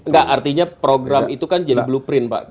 enggak artinya program itu kan jadi blueprint pak